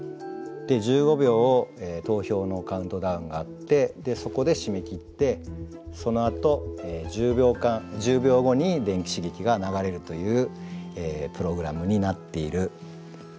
１５秒投票のカウントダウンがあってそこで締め切ってそのあと１０秒１０秒後に電気刺激が流れるというプログラムになっているはずです。